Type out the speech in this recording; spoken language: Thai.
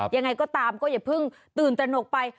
ยังไงก็ตามก็อย่าเพิ่งตื่นตระหนกไป